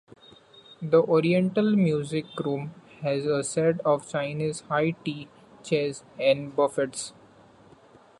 The Oriental Music Room has a set of Chinese high-tea chairs and buffets.